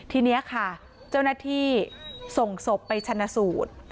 ทีนี้ค่ะเจ้าหน้าที่ส่งศพไปชนะสูตร